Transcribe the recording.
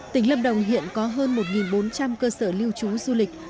tỉnh lâm đồng hiện có hơn một bốn trăm linh cơ sở lưu trú du lịch